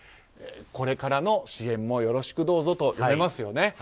これからの支援もよろしくどうぞと読めますよね。